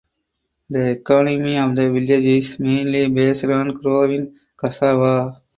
The economy of the village is mainly based on growing cassava.